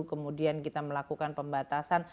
kemudian kita melakukan pembatasan